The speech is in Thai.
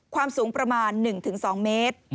ความสูงประมาณ๑๒เมตร